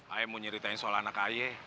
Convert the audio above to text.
ayah mau nyeritain soal anak aye